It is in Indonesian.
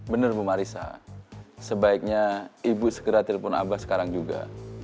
benar bu marisa sebaiknya ibu segera telepon abah sekarang juga